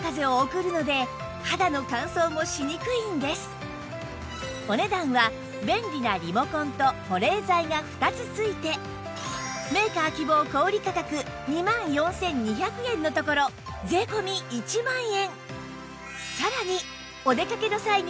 しかもお値段は便利なリモコンと保冷剤が２つ付いてメーカー希望小売価格２万４２００円のところ税込１万円